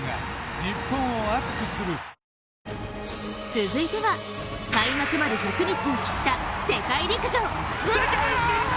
続いては開幕まで１００日を切った世界陸上。